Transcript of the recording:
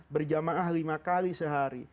berjamaah lima kali sehari